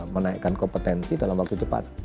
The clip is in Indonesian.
menaikkan kompetensi dalam waktu cepat